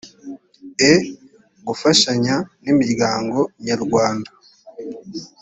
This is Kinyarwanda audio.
e gufashanya n imiryango nyarwanda